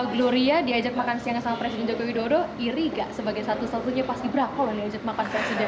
gloria diajak makan siang sama presiden joko widodo iri nggak sebagai satu satunya pas ibrakova diajak makan siang sedang